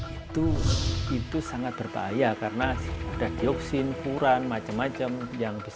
itu itu sangat berbahaya karena ada dioksin furan macam macam yang besar